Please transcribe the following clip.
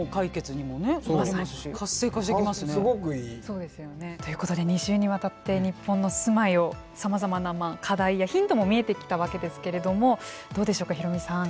そうですよね。ということで２週にわたって日本の住まいをさまざまな課題やヒントも見えてきたわけですけれどもどうでしょうかヒロミさん。